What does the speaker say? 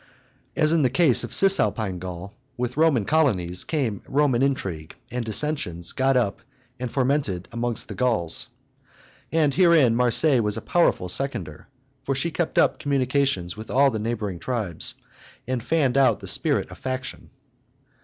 As in the case of Cisalpine Gaul, with Roman colonies came Roman intrigue and dissensions got up and fomented amongst the Gauls. And herein Marseilles was a powerful seconder; for she kept up communications with all the neighboring tribes, and fanned the spirit of faction.